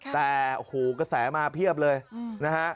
แต่หูกระแสมาเพียบเลยนะฮะ